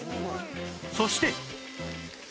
そして